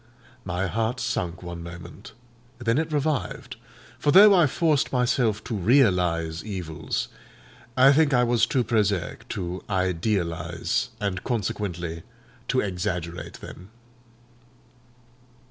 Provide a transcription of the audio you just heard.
My heart sunk one moment, then it revived; for though I forced myself to realise evils, I think I was too prosaic to idealise, and consequently to exaggerate them.